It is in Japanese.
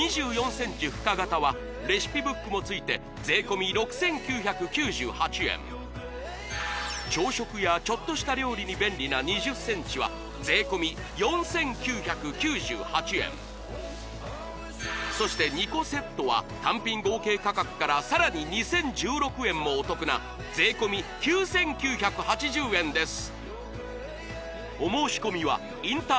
２４ｃｍ深型はレシピブックもついて税込６９９８円朝食やちょっとした料理に便利な２０ｃｍは税込４９９８円そして２個セットは単品合計価格からさらに２０１６円もお得な税込９９８０円です